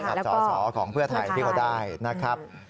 สอสอของเพื่อไทยที่เขาได้นะครับ